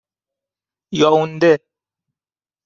یائونده